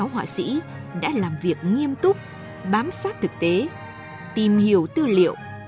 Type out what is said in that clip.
sáu họa sĩ đã làm việc nghiêm túc bám sát thực tế tìm hiểu tư liệu